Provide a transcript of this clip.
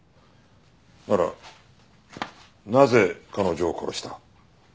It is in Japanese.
ならなぜ彼女を殺した？